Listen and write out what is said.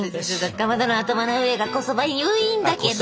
かまどの頭の上がこそばゆいんだけど。